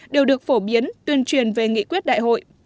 đều được phổ biến tuyên truyền về nghị quyết đại hội